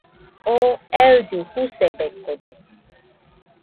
Oo eillɨ jusebekode